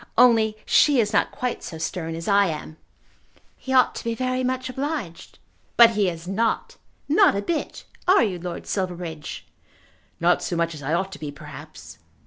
Only she is not quite so stern as I am." "He ought to be very much obliged." "But he is not, not a bit. Are you, Lord Silverbridge?" "Not so much as I ought to be, perhaps."